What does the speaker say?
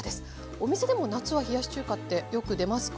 お店でも夏は冷やし中華ってよく出ますか？